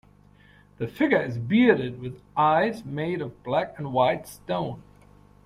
The figure is bearded with eyes made of black and white stone.